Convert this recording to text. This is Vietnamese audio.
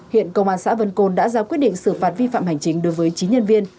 hiện công an xã vân côn đã ra quyết định xử phạt vi phạm hành chính đối với chín nhân viên